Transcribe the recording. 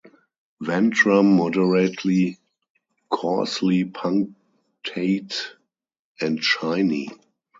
Ventrum moderately coarsely punctate and shiny.